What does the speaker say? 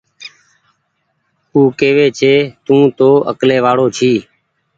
او ڪوي تونٚ تو اڪلي وآڙو ڇي